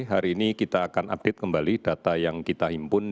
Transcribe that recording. hari ini kita akan update kembali data yang kita himpun